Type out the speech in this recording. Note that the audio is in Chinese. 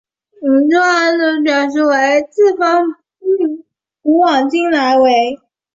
汉语中的宇宙表示上下四方为古往今来为。